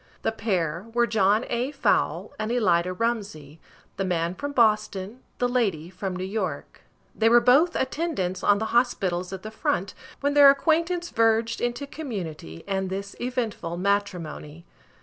The pair were John A. Fowle and Elida Rumsey, the man from Boston, the lady from New York. They were both attendants on the hospitals at the front, when their acquaintance verged into community, and this eventful matrimony.